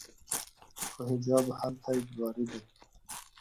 خو حجاب هلته اجباري دی.